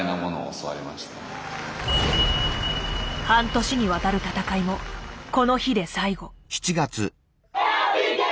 半年にわたる戦いもこの日で最後。